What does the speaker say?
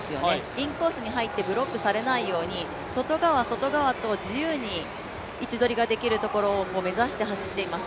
インコースに入ってブロックされないように外側、外側と自由に位置取りができるところを目指して走っています。